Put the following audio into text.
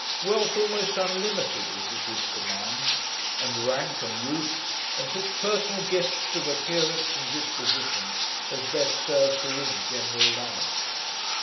Wealth almost unlimited was at his command, and rank, and youth, and such personal gifts of appearance and disposition as best serve to win general love.